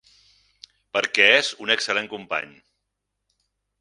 Per què és un excel·lent company